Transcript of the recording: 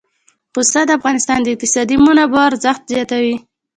پسه د افغانستان د اقتصادي منابعو ارزښت زیاتوي.